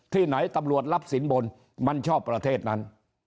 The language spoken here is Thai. ไหนตำรวจรับสินบนมันชอบประเทศนั้น